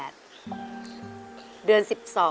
เดือน๑๒